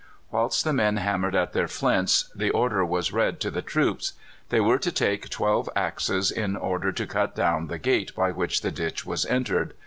Whilst the men hammered at their flints the order was read to the troops. They were to take twelve axes in order to cut down the gate by which the ditch was entered.